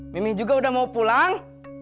mimi juga udah mau pulang